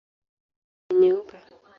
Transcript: Rangi yao ni nyeupe.